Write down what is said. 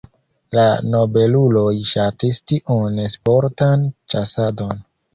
La nobeluloj ŝatis tiun sportan ĉasadon.